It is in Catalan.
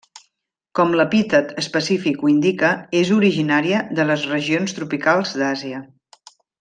Com l'epítet específic ho indica, és originària de les regions tropicals d'Àsia.